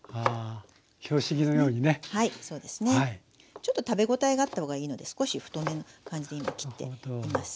ちょっと食べ応えがあった方がいいので少し太めの感じで今切っています。